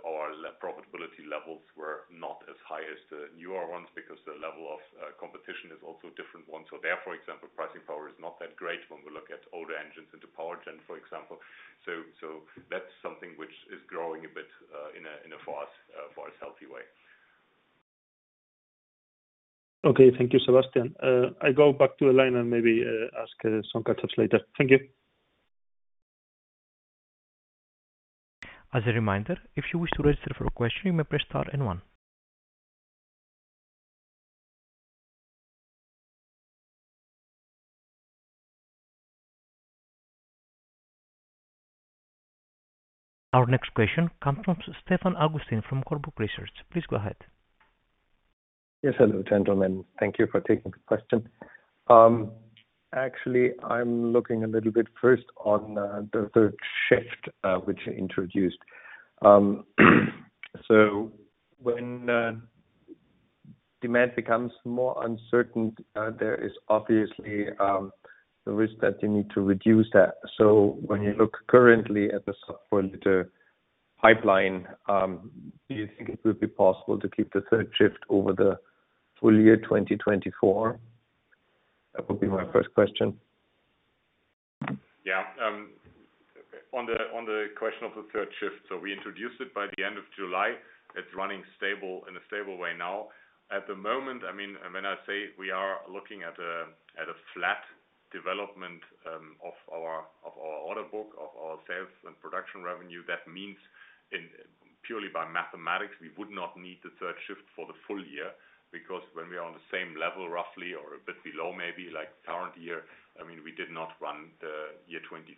our profitability levels were not as high as the newer ones because the level of competition is also different one. So there, for example, pricing power is not that great when we look at older engines into power gen, for example. So that's something which is growing a bit in a healthy way for us. Okay, thank you, Sebastian. I go back to the line and maybe ask some questions later. Thank you. As a reminder, if you wish to register for a question, you may press star and one. Our next question comes from Stefan Augustin from Warburg Research. Please go ahead. Yes, hello, gentlemen. Thank you for taking the question. Actually, I'm looking a little bit first on the third shift, which you introduced. So when demand becomes more uncertain, there is obviously the risk that you need to reduce that. So when you look currently at the software data pipeline, do you think it will be possible to keep the third shift over the full year, 2024? That would be my first question. Yeah. On the question of the third shift, so we introduced it by the end of July. It's running stable, in a stable way now. At the moment, I mean, when I say we are looking at a flat development of our order book, of our sales and production revenue, that means in purely by mathematics, we would not need the third shift for the full year, because when we are on the same level, roughly or a bit below, maybe, like current year, I mean, we did not run the year 2023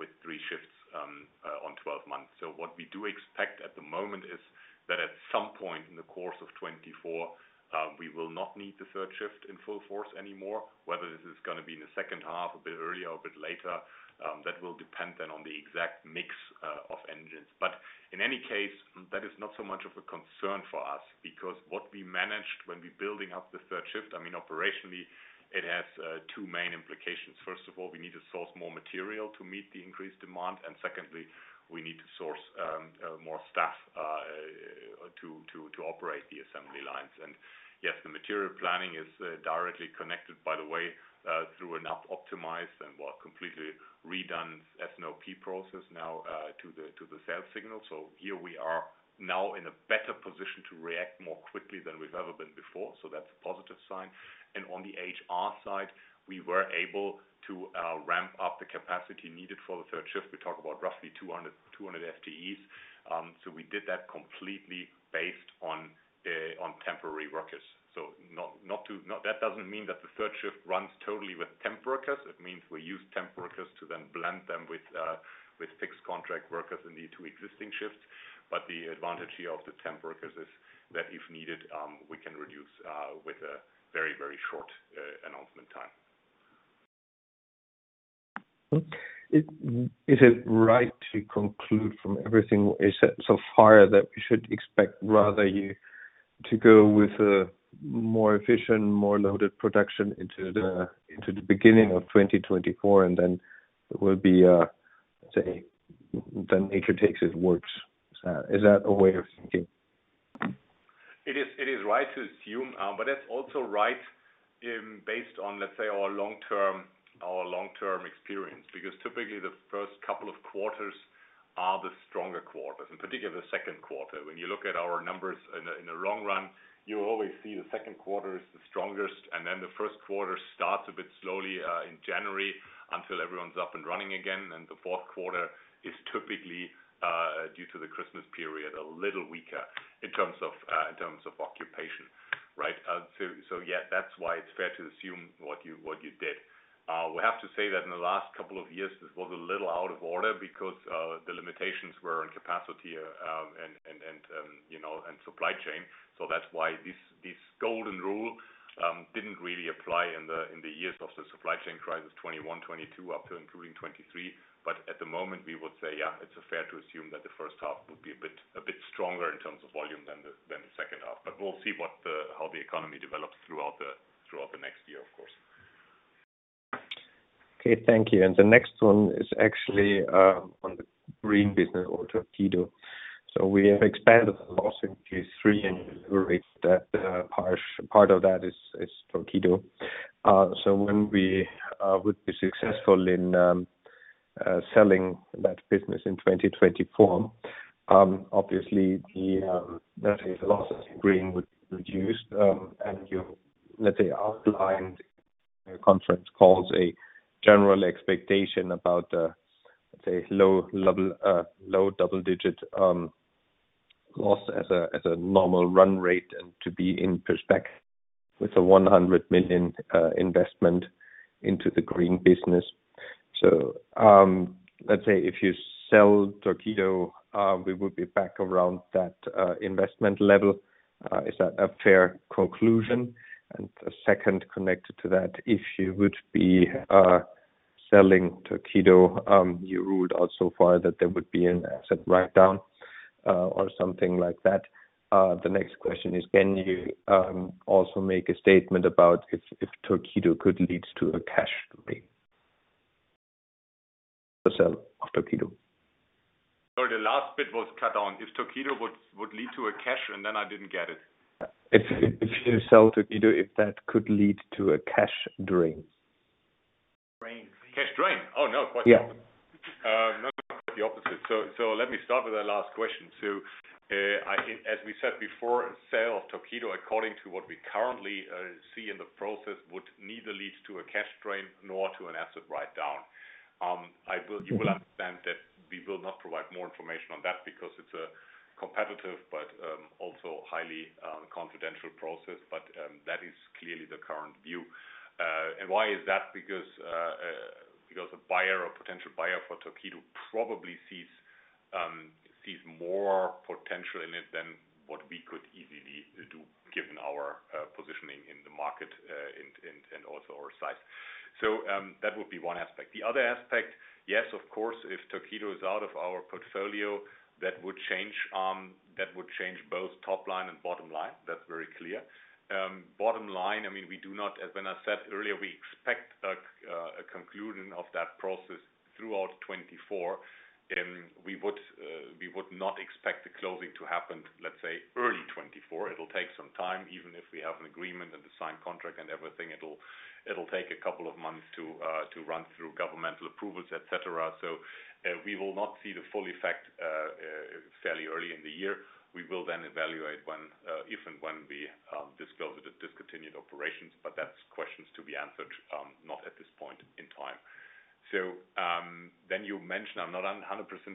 with three shifts on 12 months. So what we do expect at the moment is that at some point in the course of 2024, we will not need the third shift in full force anymore. Whether this is gonna be in the second half, a bit earlier, a bit later, that will depend then on the exact mix of engines. But in any case, that is not so much of a concern for us, because what we managed when we building up the third shift, I mean, operationally it has two main implications. First of all, we need to source more material to meet the increased demand, and secondly, we need to source more staff to operate the assembly lines. And yes, the material planning is directly connected, by the way, through an optimized and, well, completely redone S&OP process now to the sales signal. So here we are now in a better position to react more quickly than we've ever been before, so that's a positive sign. On the HR side, we were able to ramp up the capacity needed for the third shift. We talk about roughly 200 FTEs. So we did that completely based on temporary workers. That doesn't mean that the third shift runs totally with temp workers. It means we use temp workers to then blend them with fixed contract workers in the two existing shifts. But the advantage here of the temp workers is that if needed, we can reduce with a very, very short announcement time. Is it right to conclude from everything you said so far that we should expect rather you to go with a more efficient, more loaded production into the beginning of 2024, and then it will be, say the nature takes its course. Is that, is that a way of thinking? It is right to assume, but it's also right, based on, let's say, our long-term experience. Because typically the first couple of quarters are the stronger quarters, in particular, the second quarter. When you look at our numbers in the long run, you always see the second quarter is the strongest, and then the first quarter starts a bit slowly, in January until everyone's up and running again, and the fourth quarter is typically due to the Christmas period, a little weaker in terms of occupation, right? So yeah, that's why it's fair to assume what you did. We have to say that in the last couple of years, this was a little out of order because the limitations were on capacity, and you know, and supply chain. So that's why this golden rule didn't really apply in the years of the supply chain crisis, 2021, 2022 up to including 2023. But at the moment, we would say, yeah, it's fair to assume that the first half would be a bit stronger in terms of volume than the second half. But we'll see what the... How the economy develops throughout the next year, of course. Okay, thank you. And the next one is actually on the green business or Torqeedo. So we have expanded the loss in Q3, and that part of that is Torqeedo. So when we would be successful in selling that business in 2024, obviously, the, let's say, losses in green would reduce, and you, let's say, outlined your conference calls a general expectation about, let's say, low level, low double digit, loss as a, as a normal run rate, and to be in perspective with a 100 million investment into the green business. So, let's say if you sell Torqeedo, we would be back around that investment level. Is that a fair conclusion? The second connected to that, if you would be selling Torqeedo, you ruled out so far that there would be an asset write down, or something like that. The next question is, can you also make a statement about if, if Torqeedo could lead to a cash drain? The sale of Torqeedo. Sorry, the last bit was cut down. If Torqeedo would lead to a cash, and then I didn't get it. If you sell Torqeedo, if that could lead to a cash drain. Drain. Cash drain? Oh, no, quite the opposite. Yeah. No, quite the opposite. So let me start with the last question. So, I, as we said before, sale of Torqeedo, according to what we currently see in the process, would neither lead to a cash drain nor to an asset write down. You will understand that we will not provide more information on that because it's a competitive, but also highly confidential process, but that is clearly the current view. And why is that? Because a buyer or potential buyer for Torqeedo probably sees more potential in it than what we could easily do, given our positioning in the market, and also our size. So, that would be one aspect. The other aspect, yes, of course, if Torqeedo is out of our portfolio, that would change, that would change both top line and bottom line. That's very clear. Bottom line, I mean, we do not as when I said earlier, we expect a conclusion of that process throughout 2024, we would, we would not expect the closing to happen, let's say, early 2024. It'll take some time. Even if we have an agreement and a signed contract and everything, it'll, it'll take a couple of months to, to run through governmental approvals, et cetera. So, we will not see the full effect, fairly early in the year. We will then evaluate when, if and when we, disclose the discontinued operations, but that's questions to be answered, not at this point in time. So, then you mentioned, I'm not 100%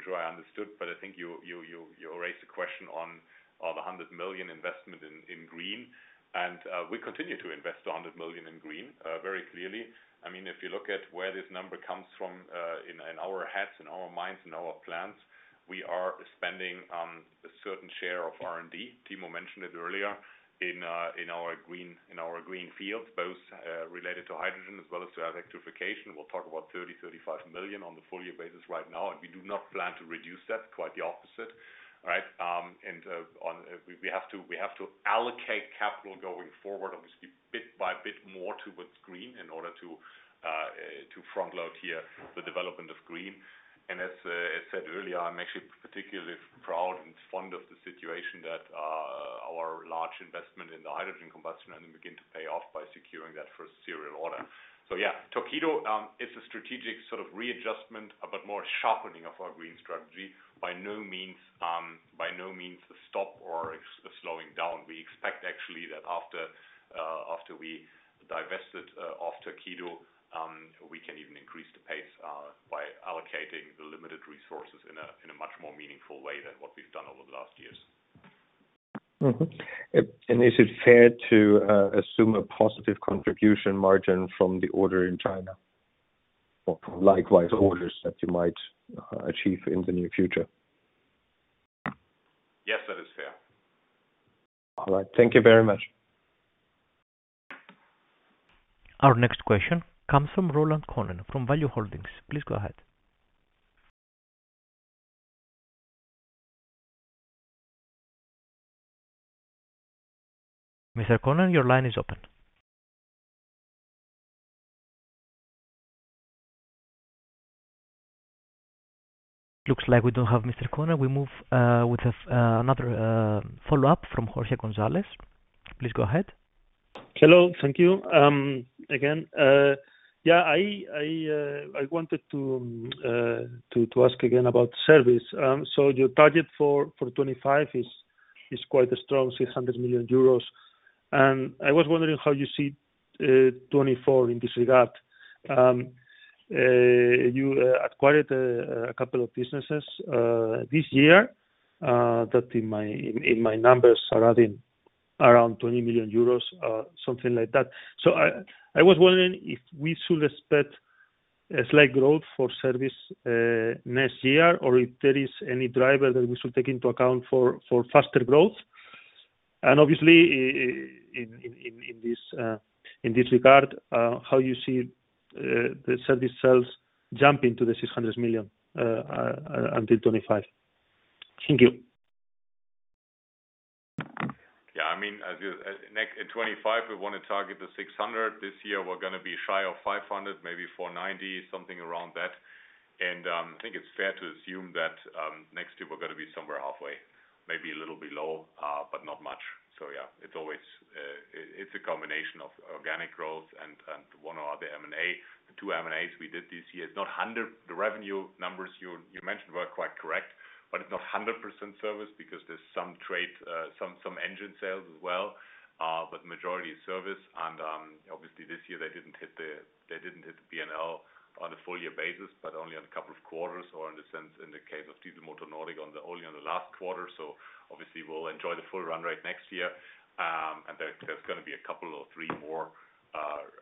sure I understood, but I think you raised a question on the 100 million investment in green, and we continue to invest 100 million in green, very clearly. I mean, if you look at where this number comes from, in our heads, in our minds, in our plans, we are spending a certain share of R&D. Timo mentioned it earlier in our green, in our green fields, both related to hydrogen as well as to electrification. We'll talk about 30 million-35 million on the full year basis right now, and we do not plan to reduce that. Quite the opposite, right? We have to allocate capital going forward, obviously, bit by bit more towards green in order to front load here the development of green. And as I said earlier, I'm actually particularly proud and fond of the situation that our large investment in the hydrogen combustion and then begin to pay off by securing that first serial order. So yeah, Torqeedo, it's a strategic sort of readjustment, but more sharpening of our green strategy. By no means, by no means a stop or a slowing down. We expect actually that after we divest it off Torqeedo, we can even increase the pace by allocating the limited resources in a much more meaningful way than what we've done over the last years. Mm-hmm. Is it fair to assume a positive contribution margin from the order in China, or likewise, orders that you might achieve in the near future? Yes, that is fair. All right. Thank you very much. Our next question comes from Roland Könen from Value-Holdings. Please go ahead. Mr. Könen, your line is open. Looks like we don't have Mr. Könen. We move with another follow-up from Jorge González. Please go ahead. Hello. Thank you, again. Yeah, I wanted to ask again about service. So your target for 2025 is quite a strong 600 million euros. And I was wondering how you see 2024 in this regard. You acquired a couple of businesses this year that in my numbers are adding around 20 million euros, something like that. So I was wondering if we should expect a slight growth for service next year, or if there is any driver that we should take into account for faster growth. And obviously, in this regard, how you see the service sales jumping to the 600 million until 2025? Thank you. Yeah, I mean, as you... next, in 2025, we wanna target the 600. This year, we're gonna be shy of 500, maybe 490, something around that. I think it's fair to assume that next year we're gonna be somewhere halfway, maybe a little below, but not much. So, yeah, it's always, it's a combination of organic growth and one or other M&A. The two M&As we did this year, it's not 100 the revenue numbers you mentioned were quite correct, but it's not 100% service because there's some trade, some engine sales as well, but majority is service. Obviously this year, they didn't hit the P&L on a full year basis, but only on a couple of quarters, or in the case of Diesel Motor Nordic, only on the last quarter. So obviously, we'll enjoy the full run rate next year. And there's gonna be a couple or three more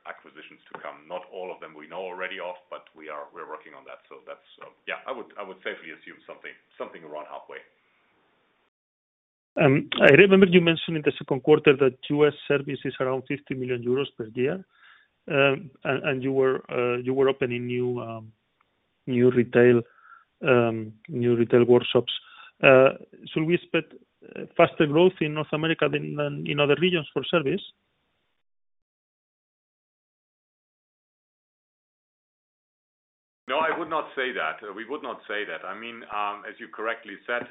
acquisitions to come. Not all of them we know already of, but we're working on that. So that's, yeah, I would safely assume something around halfway. I remember you mentioned in the second quarter that U.S. services around 50 million euros per year. And you were opening new retail workshops. Should we expect faster growth in North America than in other regions for service? No, I would not say that. We would not say that. I mean, as you correctly said,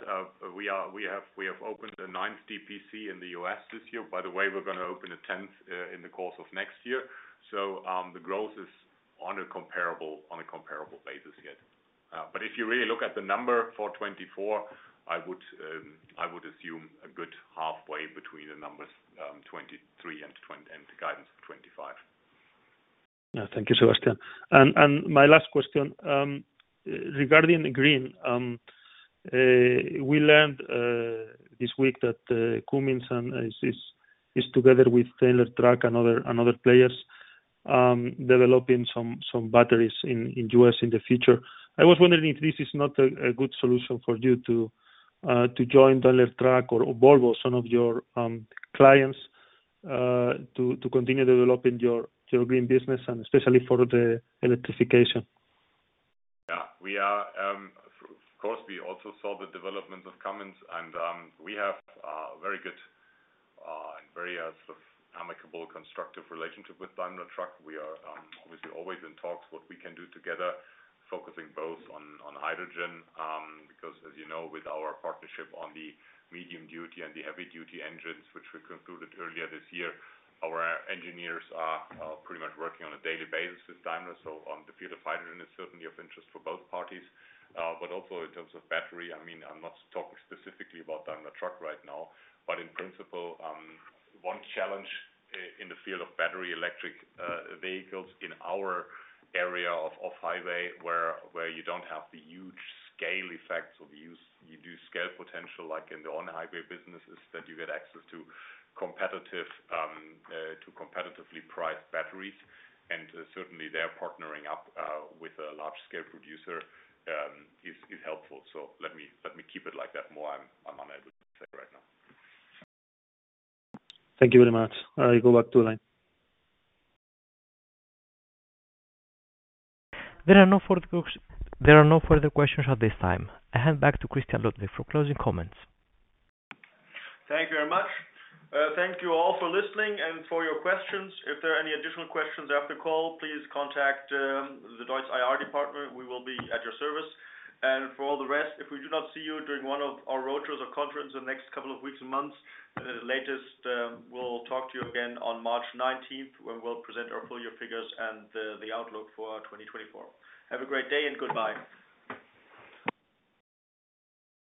we have opened a ninth DPC in the U.S. this year. By the way, we're gonna open a tenth in the course of next year. So, the growth is on a comparable, on a comparable basis yet. But if you really look at the number for 2024, I would assume a good halfway between the numbers, 2023 and the guidance of 2025. Thank you, Sebastian. And my last question, regarding green, we learned this week that Cummins and is together with Daimler Truck and other players, developing some batteries in the U.S. in the future. I was wondering if this is not a good solution for you to join Daimler Truck or Volvo, some of your clients, to continue developing your green business and especially for the electrification. Yeah, we are, of course, we also saw the development of Cummins and, we have a very good, and very, sort of amicable, constructive relationship with Daimler Truck. We are, obviously, always in talks what we can do together, focusing both on, on hydrogen, because as you know, with our partnership on the medium-duty and the heavy-duty engines, which we concluded earlier this year, our engineers are, pretty much working on a daily basis with Daimler. So on the field of hydrogen is certainly of interest for both parties, but also in terms of battery. I mean, I'm not talking specifically about Daimler Truck right now, but in principle, one challenge in the field of battery electric vehicles in our area of highway, where you don't have the huge scale effects of use, you do scale potential, like in the on-highway businesses, that you get access to competitive to competitively priced batteries. And certainly they're partnering up with a large-scale producer is helpful. So let me keep it like that. More, I'm unable to say right now. Thank you very much. I go back to the line. There are no further questions at this time. I hand back to Christian Ludwig for closing comments. Thank you very much. Thank you all for listening and for your questions. If there are any additional questions after the call, please contact the DEUTZ IR department. We will be at your service. For all the rest, if we do not see you during one of our roadshows or conference in the next couple of weeks and months, the latest, we'll talk to you again on March 19, when we'll present our full year figures and the outlook for our 2024. Have a great day and goodbye.